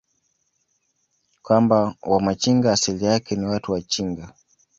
kwamba Wamachinga asili yake ni Watu wa chinga